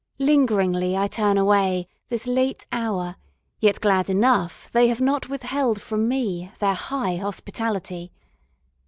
Lingeringly I turn away, This late hour, yet glad enough They have not withheld from me Their high hospitality.